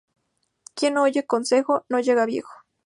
Quien no oye consejo, no llega a viejo